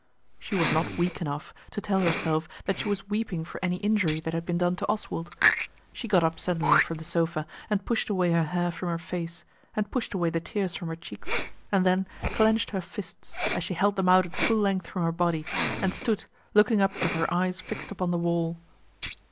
She was not weak enough to tell herself that she was weeping for any injury that had been done to Oswald. She got up suddenly from the sofa, and pushed away her hair from her face, and pushed away the tears from her cheeks, and then clenched her fists as she held them out at full length from her body, and stood, looking up with her eyes fixed upon the wall.